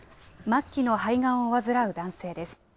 末期の肺がんを患う男性です。